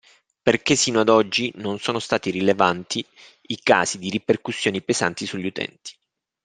Perché sino ad oggi non sono stati rilevanti i casi di ripercussioni pesanti sugli utenti.